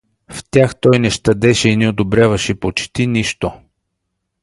В тях той не щадеше и не одобряваше почти нищо.